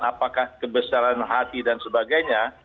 apakah kebesaran hati dan sebagainya